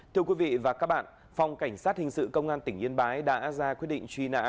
thưa quý vị và các bạn phòng cảnh sát hình sự công an tỉnh yên bái đã ra quyết định truy nã